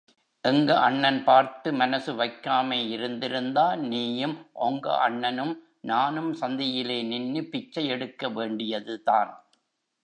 எங்க அண்ணன் பார்த்து மனசுவைக்காமே இருந்திருந்தா நீயும் ஒங்க அண்ணனும் நானும் சந்தியிலே நின்னு பிச்சை எடுக்கவேண்டியதுதான்.